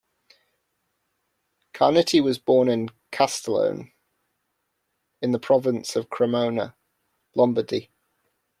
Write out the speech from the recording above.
Carniti was born in Castelleone, in the province of Cremona, Lombardy.